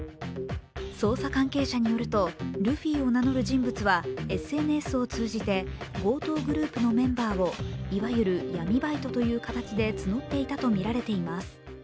捜査関係者によるとルフィを名乗る人物はＳＮＳを通じて強盗グループのメンバーをいわゆる闇バイトという形で募っていたとみられています。